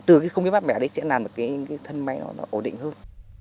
từ cái không khí mát mẻ đấy sẽ làm cái thân máy nó ổn định hơn